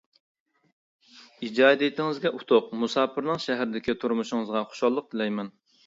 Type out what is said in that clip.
ئىجادىيىتىڭىزگە ئۇتۇق، مۇساپىرنىڭ شەھىرىدىكى تۇرمۇشىڭىزغا خۇشاللىق تىلەيمەن.